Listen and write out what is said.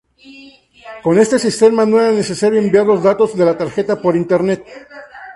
Con este sistema no era necesario enviar los datos de la tarjeta por internet.